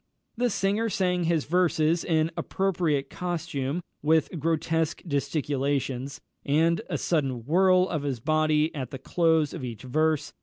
The singer sang his verses in appropriate costume, with grotesque gesticulations, and a sudden whirl of his body at the close of each verse.